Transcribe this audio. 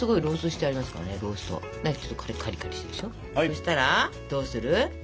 そしたらどうする？